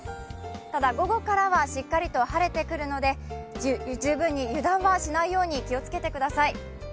ただ、午後からはしっかりと晴れてくるので十分に油断はしないように気をつけてください